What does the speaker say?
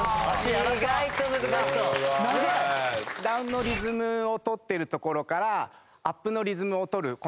ダウンのリズムを取ってるところからアップのリズムを取る